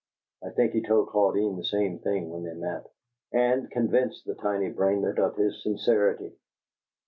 I think he told Claudine the same thing when they met, and convinced the tiny brainlet of his sincerity.